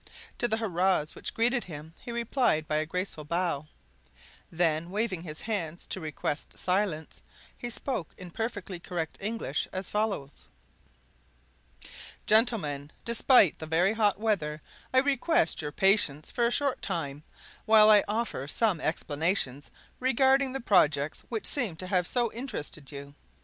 To the hurrahs which greeted him he replied by a graceful bow; then, waving his hands to request silence, he spoke in perfectly correct English as follows: "Gentlemen, despite the very hot weather I request your patience for a short time while I offer some explanations regarding the projects which seem to have so interested you.